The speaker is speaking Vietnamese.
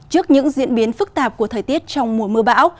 trước những diễn biến phức tạp của thời tiết trong mùa mưa bão